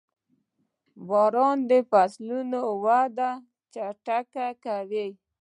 • باران د فصلونو وده چټکوي.